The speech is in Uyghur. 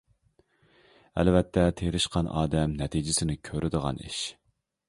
ئەلۋەتتە تىرىشقان ئادەم نەتىجىسىنى كۆرىدىغان ئىش.